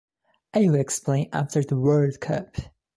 I will explain after the World Cup.